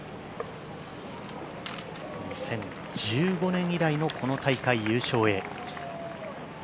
２０１５年以来のこの大会、優勝へ。